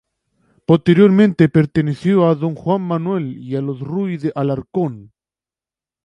Posteriormente perteneció a don Juan Manuel, y a los Ruiz de Alarcón.